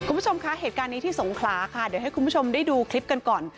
คุณผู้ชมคะเหตุการณ์นี้ที่สงขลาค่ะเดี๋ยวให้คุณผู้ชมได้ดูคลิปกันก่อน